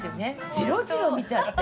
ジロジロ見ちゃって。